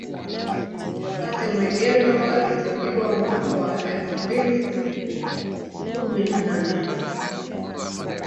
Jokate Mwegelo aliteuliwa mwaka wa elfu mbili kumi na nane